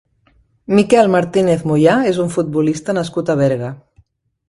Miquel Martínez Moyà és un futbolista nascut a Berga.